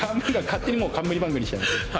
勝手にもう冠番組にしちゃいました。